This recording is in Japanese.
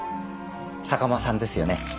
坂間さんですよね。